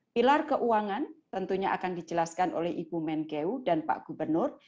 pilar keuangan tentunya akan dijelaskan oleh ibu menkeu dan pak gubernur